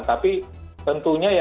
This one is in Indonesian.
tapi tentunya ya